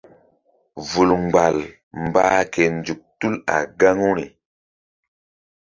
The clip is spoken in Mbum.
Vul mgbal mbah ke nzuk tul a gaŋu ri.